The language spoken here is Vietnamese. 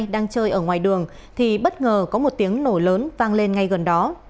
đang chơi ở ngoài đường thì bất ngờ có một tiếng nổ lớn vang lên ngay gần đó